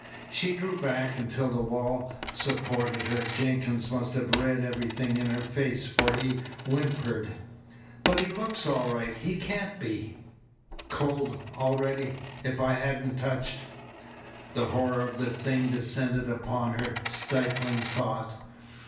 She drew back until the wall supported her. Jenkins must have read everything in her face, for he whimpered: "But he looks all right. He can't be " "Cold already! If I hadn't touched " The horror of the thing descended upon her, stifling thought.